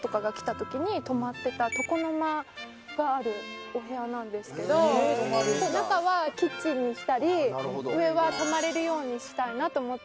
床の間があるお部屋なんですけど中はキッチンにしたり上は泊まれるようにしたいなと思って。